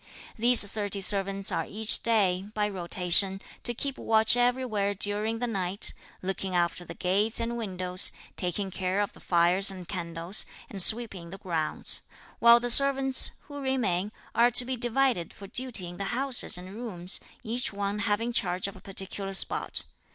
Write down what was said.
These thirty servants are each day, by rotation, to keep watch everywhere during the night, looking after the gates and windows, taking care of the fires and candles, and sweeping the grounds; while the servants, who remain, are to be divided for duty in the houses and rooms, each one having charge of a particular spot.